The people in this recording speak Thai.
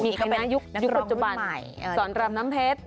มีคณะยุคปัจจุบันสอนตรำน้ำเพชร